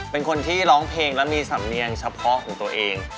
เป็นคนที่ร้องเพลงและมีสำเนียงเฉพาะของตัวเอง